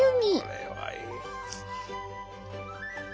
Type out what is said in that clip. これはいい！